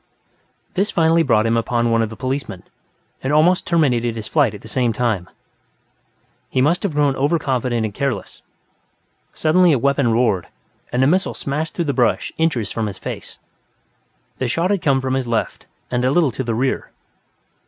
This finally brought him upon one of the policemen, and almost terminated his flight at the same time. He must have grown over confident and careless; suddenly a weapon roared, and a missile smashed through the brush inches from his face. The shot had come from his left and a little to the rear.